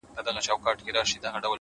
زه زما او ستا و دښمنانو ته!!